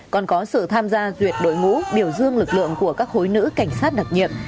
còn có sự tham gia duyệt đội ngũ biểu dương lực lượng của các khối nữ cảnh sát đặc nhiệm